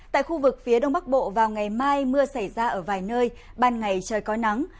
tại khu vực phía đông bắc bộ vào ngày mai mưa xảy ra ở vài nơi ban ngày trời có nắng